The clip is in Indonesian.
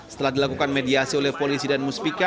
setelah dilakukan mediasi oleh polisi dan muspika